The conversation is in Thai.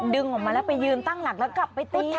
ดึงออกมาแล้วไปยืนตั้งหลักแล้วกลับไปตี